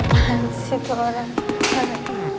apaan sih itu orang